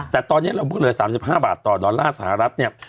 แต่ตอนนี้เราเพิ่งเหลือ๓๕บาทต่อดอลลาร์สหรัฐเนี่ย